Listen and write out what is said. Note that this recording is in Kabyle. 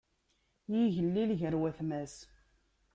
Yigellil gar watma-s.